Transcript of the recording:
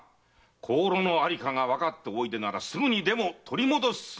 香炉のありかがわかっているならすぐにでも取り戻すのが先決。